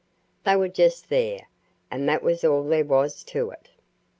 They were just there, and that was all there was to it.